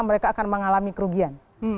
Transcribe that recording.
mereka akan mengalami kerugian